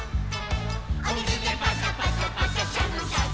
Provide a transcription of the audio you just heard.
「おみずでパシャパシャパシャシャのシャッ！